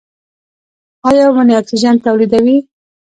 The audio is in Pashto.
ایا ونې اکسیجن تولیدوي؟